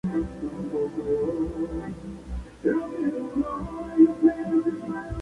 Su relación con Midge Ure se fue deteriorando con el paso del tiempo.